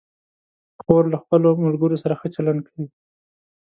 خور له خپلو ملګرو سره ښه چلند کوي.